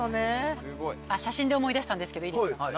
写真で思い出したんですけどいいですか？